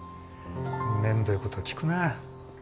めんどいこと聞くなぁ。